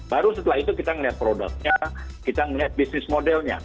baru setelah itu kita melihat produknya kita melihat bisnis modelnya